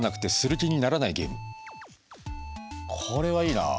これはいいなあ。